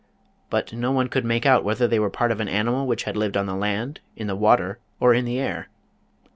But no one could make out whether they were part of an animal which had lived on the land, in the water, or in the air.